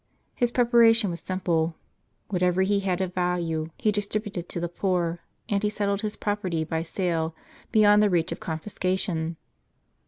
His preparation was simple : whatever he had of value he distributed to the poor, and he settled his property, by sale, beyond the reach of confiscation.